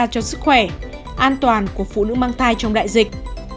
giới chuyên gia cho sức khỏe an toàn của phụ nữ mang thai trong đại dịch